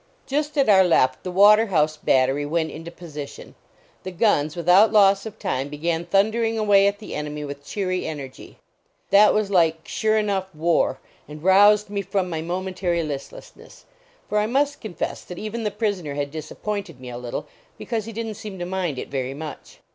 Just at our left the Waterhouse battery went into position ; the guns without loss of time began thundering away at the enemy with cheery energy. That was like sure enough war, and roused me from my momentary list lessness. For I must confess that even the prisoner had disappointed me a little, because he didn t seem to mind it very much.